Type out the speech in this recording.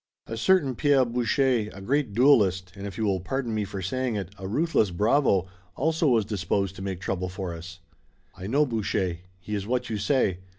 "A certain Pierre Boucher, a great duelist, and if you will pardon me for saying it, a ruthless bravo, also was disposed to make trouble for us." "I know Boucher. He is what you say.